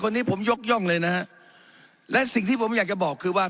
วันนี้ผมยกย่องเลยนะฮะและสิ่งที่ผมอยากจะบอกคือว่า